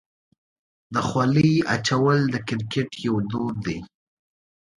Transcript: د خولۍ اچول د کرکټ یو دود دی.